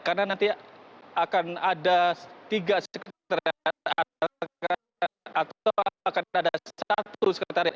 karena nanti akan ada tiga sekretariat atau akan ada satu sekretariat